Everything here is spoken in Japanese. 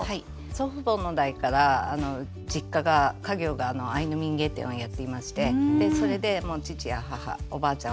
祖父母の代から実家が家業がアイヌ民芸店をやっていましてでそれでもう父や母おばあちゃん